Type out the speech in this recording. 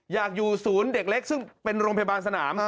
อยากอยู่ศูนย์เด็กเล็กซึ่งเป็นโรงพยาบาลสนาม